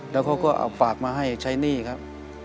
แล้วเขาก็เอาฝากมาให้ใช้หนี้ครับ